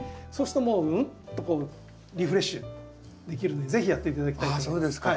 そうするともううんとリフレッシュできるので是非やって頂きたいです。